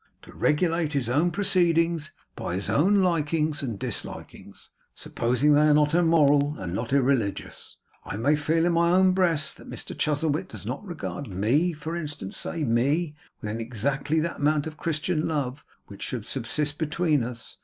to regulate his own proceedings by his own likings and dislikings, supposing they are not immoral and not irreligious. I may feel in my own breast, that Mr Chuzzlewit does not regard me, for instance; say me with exactly that amount of Christian love which should subsist between us.